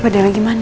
mas aku mau main